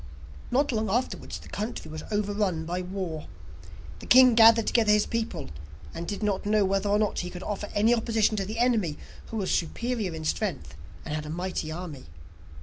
Not long afterwards, the country was overrun by war. The king gathered together his people, and did not know whether or not he could offer any opposition to the enemy, who was superior in strength and had a mighty army.